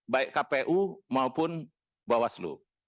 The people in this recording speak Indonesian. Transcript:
baik kpu maupun bawaslu